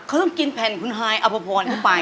เขินกินแผ่นคุณฮายอัพพอร์นเข้าไป